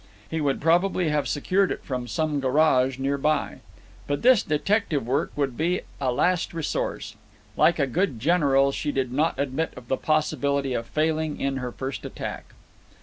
He would probably have secured it from some garage near by. But this detective work would be a last resource. Like a good general, she did not admit of the possibility of failing in her first attack.